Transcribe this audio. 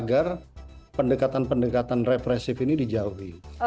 agar pendekatan pendekatan represif ini dijauhi